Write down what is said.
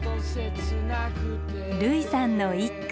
類さんの一句。